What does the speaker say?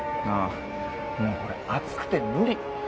ああもうこれ暑くて無理！